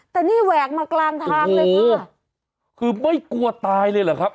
แต่นี่แหวกมากลางทางเลยค่ะคือไม่กลัวตายเลยเหรอครับ